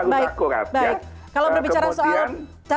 data harus akurat ya